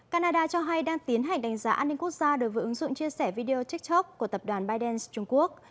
canada cho hay đang tiến hành đánh giá an ninh quốc gia đối với ứng dụng chia sẻ video tiktok của tập đoàn biden trung quốc